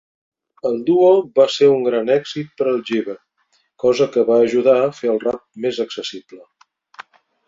El duo va ser un gran èxit per al jive, cosa que va ajudar a fer el rap més accessible.